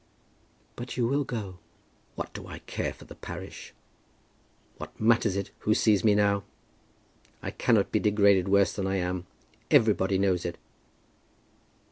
"But you will go?" "What do I care for the parish? What matters it who sees me now? I cannot be degraded worse than I am. Everybody knows it."